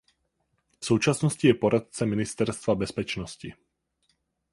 V současnosti je poradce Ministerstva bezpečnosti.